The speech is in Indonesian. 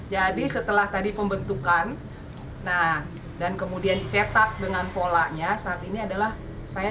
jadi setelah tadi pembentukan nah dan kemudian dicetak dengan polanya saat ini adalah saya